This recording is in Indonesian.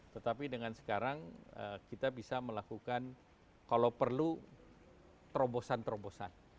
tetapi dengan sekarang kita bisa melakukan kalau perlu terobosan terobosan